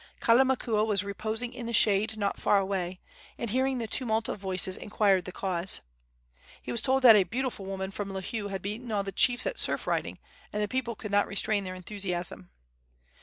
Kalamakua was reposing in the shade, not far away, and, hearing the tumult of voices, inquired the cause. He was told that a beautiful woman from Lihue had beaten all the chiefs at surf riding, and the people could not restrain their enthusiasm.